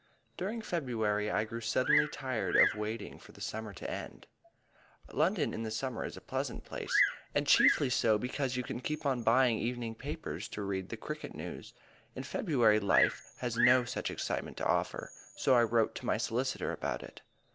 During February I grew suddenly tired of waiting for the summer to begin. London in the summer is a pleasant place, and chiefly so because you can keep on buying evening papers to read the cricket news. In February life has no such excitements to offer. So I wrote to my solicitor about it.